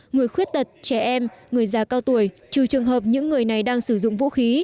người khuyết tật trẻ em người già cao tuổi trừ trường hợp những người này đang sử dụng vũ khí